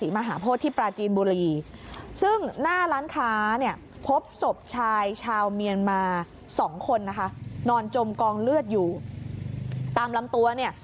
เมียนมาสองคนนะคะนอนจมกองเลือดอยู่ตามล้ำตัวเนี่ย